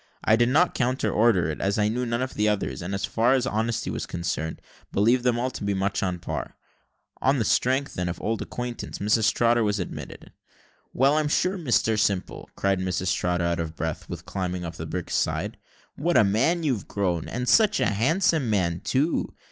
I did not counter order it, as I knew none of the others, and, as far as honesty was concerned, believed them all to be much on a par. On the strength, then, of old acquaintance, Mrs Trotter was admitted. "Well, I'm sure, Mr Simple," cried Mrs Trotter, out of breath with climbing up the brig's side; "what a man you've grown, and such a handsome man, too!